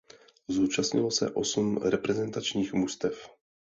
Zúčastnilo se osm reprezentačních mužstev.